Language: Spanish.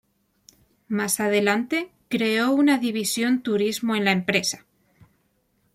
Más adelante creó una división turismo en la empresa.